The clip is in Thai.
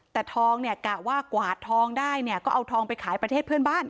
แต่ทองเนี่ยกะว่ากวาดทองได้เนี่ยก็เอาทองไปขายประเทศเพื่อนบ้าน